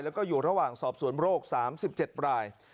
แล้วก็อยู่ระหว่างสอบสวนโรค๓๗ราย